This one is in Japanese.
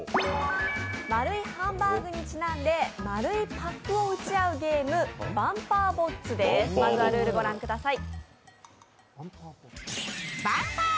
丸いハンバーグにちなんで丸いパックを打ち合うゲーム「バンパーボッツ」です、まずはルールをご覧ください。